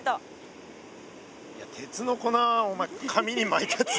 いや鉄の粉お前紙に巻いたやつ